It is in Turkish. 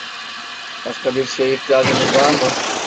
Başka bir şeye ihtiyacınız var mı?